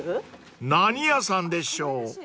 ［何屋さんでしょう？］